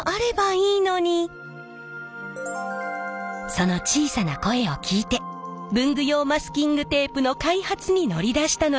その小さな声を聞いて文具用マスキングテープの開発に乗り出したのです。